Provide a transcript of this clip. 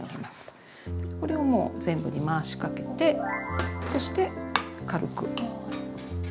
これをもう全部に回しかけてそして軽く。